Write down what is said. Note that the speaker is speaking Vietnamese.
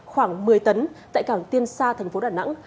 khoảng một mươi tấn tại cảng tiên sa thành phố đà nẵng